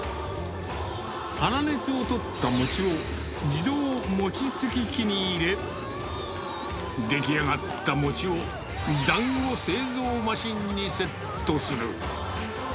粗熱を取った餅を、自動もちつき機に入れ、出来上がった餅をだんご製造マシンにセットする。